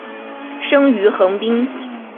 生于横滨。